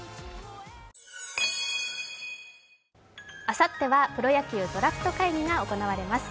あさってはプロ野球ドラフト会議が行われます。